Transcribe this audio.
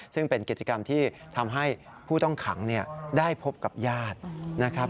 ซึ่งเป็นกิจกรรมที่ทำให้ผู้ต้องขังได้พบกับญาตินะครับ